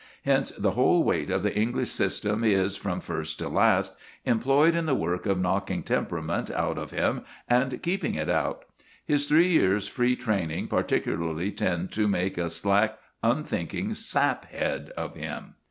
Hence the whole weight of the English system is, from first to last, employed in the work of knocking temperament out of him and keeping it out. His three years' free training particularly tend to make a slack, unthinking sap head of him.